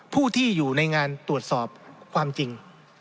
ผู้ที่อยู่ในงานตรวจสอบความจริง